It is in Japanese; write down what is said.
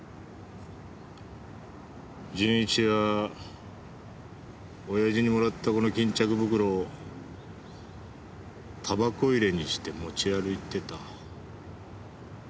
純一は親父にもらったこの巾着袋を煙草入れにして持ち歩いてた。